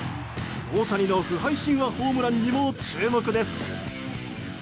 大谷の不敗神話ホームランにも注目です。